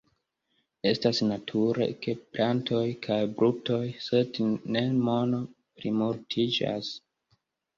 Estas nature ke plantoj kaj brutoj, sed ne mono, plimultiĝas.